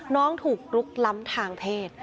น้องถูกลุกล้ำทางเพศ